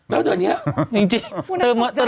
แล้วทีนี้จนจริง